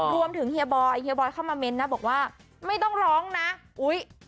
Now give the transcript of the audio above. เฮียบอยเฮียบอยเข้ามาเมนต์นะบอกว่าไม่ต้องร้องนะอุ้ย